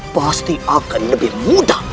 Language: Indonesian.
pasti akan lebih mudah